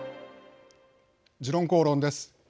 「時論公論」です。